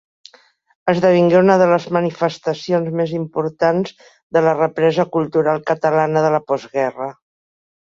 Esdevingué una de les manifestacions més importants de la represa cultural catalana de la postguerra.